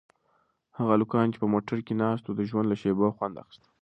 هغه هلکان چې په موټر کې ناست وو د ژوند له شېبو خوند اخیست.